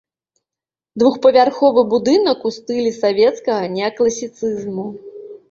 Двухпавярховы будынак у стылі савецкага неакласіцызму.